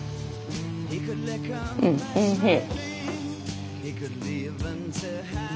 うんおいしい。